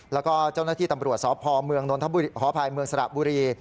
แล้วก็เจ้าหน้าที่ตำรวจสพเมืองขออภัยเมืองสระบุรี